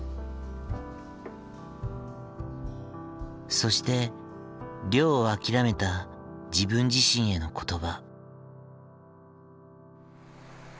そして漁を諦めた自分自身への言葉。